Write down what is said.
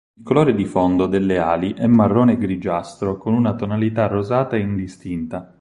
Il colore di fondo delle ali è marrone grigiastro con una tonalità rosata indistinta.